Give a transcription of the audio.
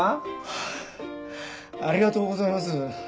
ハアありがとうございます。